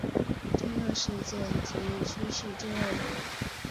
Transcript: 重要事件及趋势重要人物